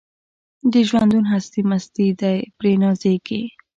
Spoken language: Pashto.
د ژوندون هستي مستي ده پرې نازیږي